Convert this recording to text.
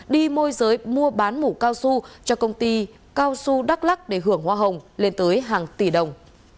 đi môi giới mua bán mũ cao su cho công ty cao su đắk lắc để hưởng hoa hồng lên tới hàng tỷ đồng